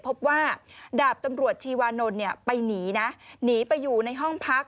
พบว่าดาบตำรวจชีวานนท์ไปหนีนะหนีไปอยู่ในห้องพัก